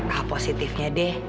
hal positifnya deh